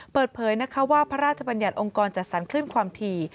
เปิดเผยนะคะว่าพระราชบัญญัติองค์กรจัดสรรคลื่นความถี่